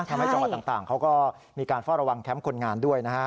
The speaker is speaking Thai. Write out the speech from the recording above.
จังหวัดต่างเขาก็มีการเฝ้าระวังแคมป์คนงานด้วยนะฮะ